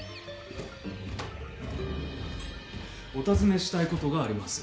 ・お尋ねしたいことがあります。